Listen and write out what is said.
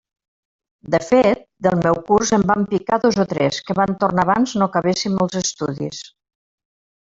De fet, del meu curs en van picar dos o tres, que van tornar abans no acabéssim els estudis.